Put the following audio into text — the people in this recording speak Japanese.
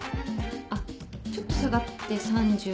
あっちょっと下がって３７度８。